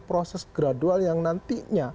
proses gradual yang nantinya